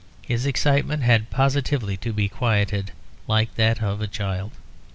His excitement had positively to be quieted like that of a child.